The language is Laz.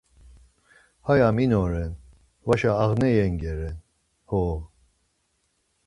Haya min oren vaşa ağne yenge ren? Ho.